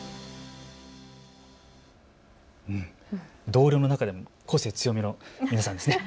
同僚の中でも個性強めの皆さんですね。